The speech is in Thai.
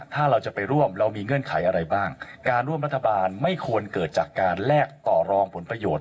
ถ้าเราจะไปร่วมเรามีเงื่อนไขอะไรบ้างการร่วมรัฐบาลไม่ควรเกิดจากการแลกต่อรองผลประโยชน